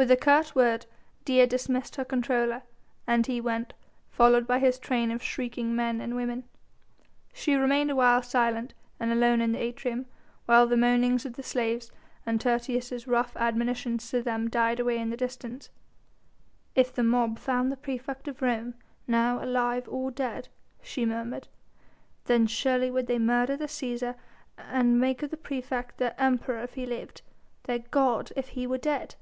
With a curt word, Dea dismissed her comptroller, and he went, followed by his train of shrieking men and women. She remained a while silent and alone in the atrium, while the moanings of the slaves and Tertius' rough admonitions to them died away in the distance. "If the mob found the praefect of Rome now alive or dead," she murmured, "then surely would they murder the Cæsar and make of the praefect their Emperor if he lived, their god if he were dead!"